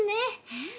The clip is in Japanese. うん。